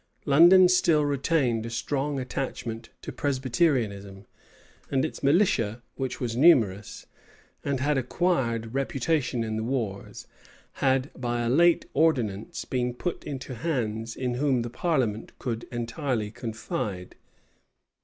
London still retained a strong attachment to Presbyterianism; and its militia, which was numerous, and had acquired reputation in the wars, had, by a late ordinance, been put into hands in whom the parliament could entirely confide.